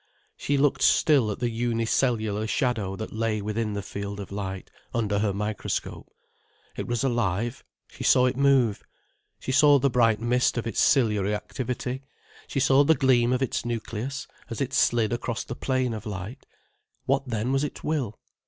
She looked still at the unicellular shadow that lay within the field of light, under her microscope. It was alive. She saw it move—she saw the bright mist of its ciliary activity, she saw the gleam of its nucleus, as it slid across the plane of light. What then was its will?